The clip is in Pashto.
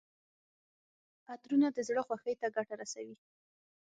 عطرونه د زړه خوښۍ ته ګټه رسوي.